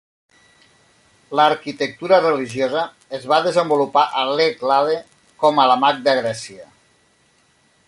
L'arquitectura religiosa es va desenvolupar a l'Hèl·lade com a la Magna Grècia.